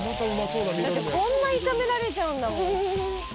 だってこんな炒められちゃうんだもん。